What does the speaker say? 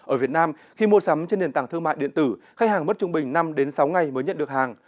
ở việt nam khi mua sắm trên nền tảng thương mại điện tử khách hàng mất trung bình năm sáu ngày mới nhận được hàng